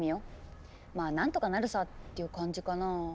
まあなんとかなるさっていう感じかなぁ。